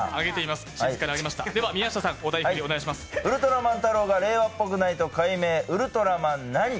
ウルトラマンタロウが令和っぽくないと改名、ウルトラマン○○。